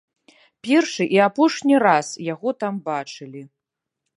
Першы і апошні раз яго там бачылі.